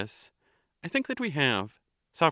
I think that we have. Soc.